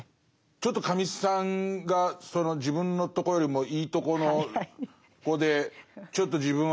ちょっとカミさんが自分のとこよりもいいとこの子でちょっと自分は頭上がらないと。